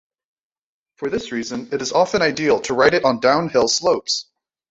For this reason, it is often ideal to ride it on downhill slopes.